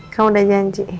kamu udah janji